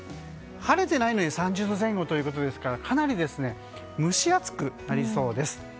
晴れてないのに３０度前後ということですからかなり蒸し暑くなりそうです。